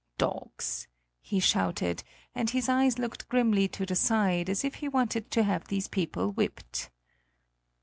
"Dogs!" he shouted, and his eyes looked grimly to the side, as if he wanted to have these people whipped.